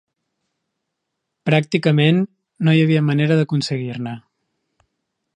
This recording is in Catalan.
Pràcticament, no hi havia manera d'aconseguir-ne.